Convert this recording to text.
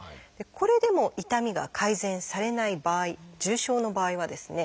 これでも痛みが改善されない場合重症の場合はですね